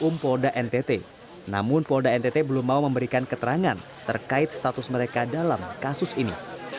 kedatangan mereka dikawal ke polda ntt namun polda ntt belum mau memberikan keterangan terkait status mereka dalam kasus ini